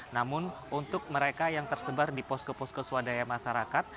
namun untuk mereka yang tersebar di posko posko swadaya masyarakat